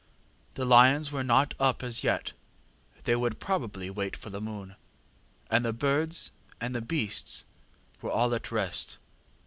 The lions were not up as yet, they would probably wait for the moon, and the birds and beasts were all at rest.